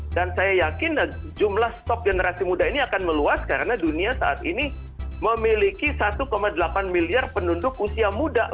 dan saya yakin jumlah stok generasi muda ini akan meluas karena dunia saat ini memiliki satu delapan miliar penunduk usia muda